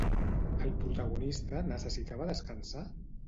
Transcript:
El protagonista necessitava descansar?